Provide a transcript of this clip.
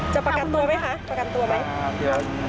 ประกันตัวไหมคะประกันตัวไหม